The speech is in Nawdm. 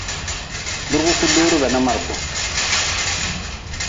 Burgu ku dori bana ma reku.